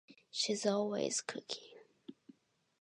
She's always cooking.